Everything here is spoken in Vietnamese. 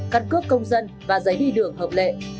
cắt cướp công dân và giấy đi đường hợp lệ